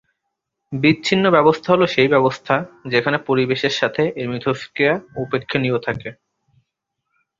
বিচ্ছিন্ন ব্যবস্থা হল সেই ব্যবস্থা যেখানে পরিবেশের সাথে এর মিথস্ক্রিয়া উপেক্ষণীয় থাকে।